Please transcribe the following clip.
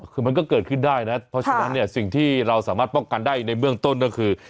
คือมันก็เกิดขึ้นได้นะเพราะฉะนั้นเนี่ยสิ่งที่เราสามารถป้องกันได้ในเบื้องต้นก็คือ